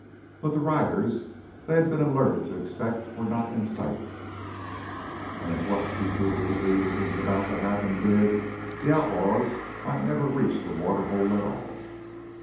But the riders they had been alerted to expect were not in sight, and if what he truly believed was about to happen did, the outlaws might never reach the water hole at all.